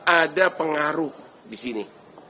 ada pengaruh di sini